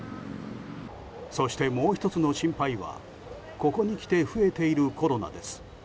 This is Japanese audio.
そしてもう１つの心配はここにきて増えているコロナです。